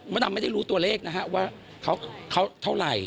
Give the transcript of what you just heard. ดำไม่ได้รู้ตัวเลขนะฮะว่าเขาเท่าไหร่